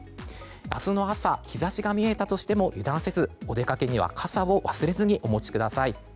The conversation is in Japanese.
明日の朝日差しが見えたとしても油断せずお出かけには傘を忘れずにお持ちください。